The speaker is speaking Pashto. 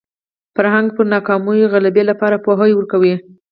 فرهنګ پر ناکامیو غلبې لپاره پوهه ورکوي